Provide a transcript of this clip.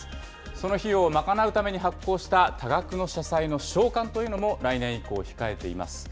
その費用を賄うために発行した多額の社債の償還というのも、来年以降、控えています。